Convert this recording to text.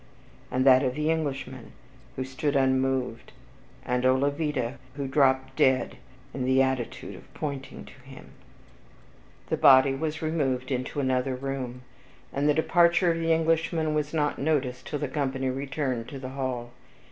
and that of the Englishman, who stood unmoved, and Olavida, who dropped dead in the attitude of pointing to him. ..... The body was removed into another room, and the departure of the Englishman was not noticed till the company returned to the hall.